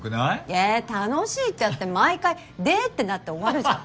え楽しいったって毎回で？ってなって終わるじゃん。